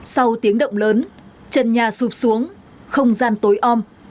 sau tiếng động lớn chân nhà xụp xuống không gian tối om